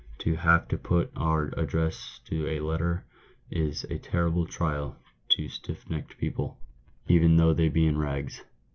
To have to put our address to a letter is a terrible trial to stiff necked people, even though they be in rags.